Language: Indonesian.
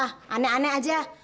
ah aneh aneh aja